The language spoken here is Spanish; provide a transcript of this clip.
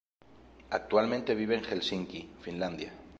Actualmente vive en Helsinki, Finlandia.